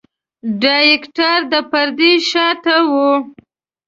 ډايرکټر د پردې شاته وي.